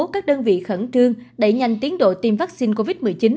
các đơn vị khẩn trương đẩy nhanh tiến độ tiêm vaccine covid một mươi chín